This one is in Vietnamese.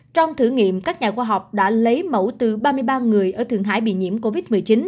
trong thử nghiệm các nhà khoa học đã lấy mẫu từ ba mươi ba người ở thượng hải bị nhiễm covid một mươi chín